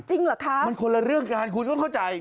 จริงหรือคะมันคนละเรื่องการคุณค่อยใจ